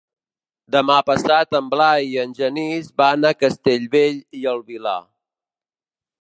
Demà passat en Blai i en Genís van a Castellbell i el Vilar.